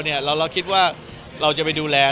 เราคิดว่าเราจะไปดูแล